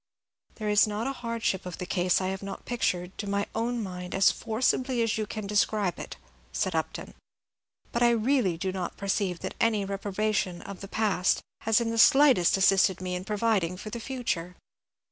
"There is not a hardship of the case I have not pictured to my own mind as forcibly as you can describe it," said Upton; "but I really do not perceive that any reprobation of the past has in the slightest assisted me in providing for the future."